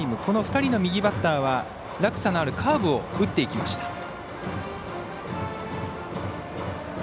この２人の右バッターは落差があるカーブを打っていきました。